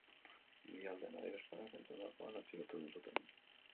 Bi aldeen adierazpenak entzundakoan, atxilotu egin zuten.